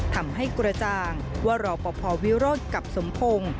ทำให้กระจ่างว่ารอปภวิโรธกับสมพงศ์